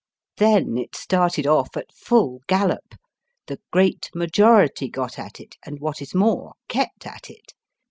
Then it started off at full gallop the great majority got at it, and, what is more, kept at it.